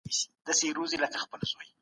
که په انلاین زده کړه کې پاملرنه نه وي.